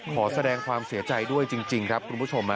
ขอแสดงความเสียใจด้วยจริงครับคุณผู้ชม